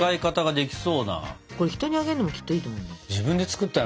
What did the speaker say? これ人にあげるのもきっといいと思うの。